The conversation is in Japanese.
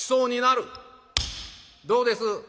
「どうです？